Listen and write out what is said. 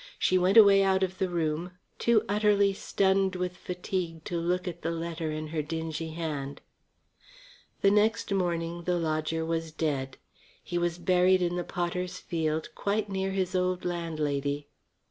She went away out of the room, too utterly stunned with fatigue to look at the letter in her dingy hand. The next morning the lodger was dead. He was buried in the potters' field quite near his old landlady.